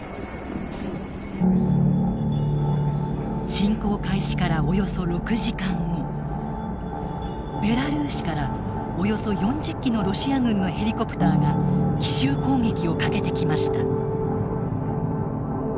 侵攻開始からおよそ６時間後ベラルーシからおよそ４０機のロシア軍のヘリコプターが奇襲攻撃をかけてきました。